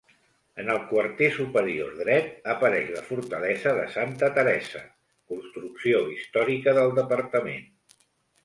En el quarter superior dret apareix la Fortalesa de Santa Teresa, construcció històrica del departament.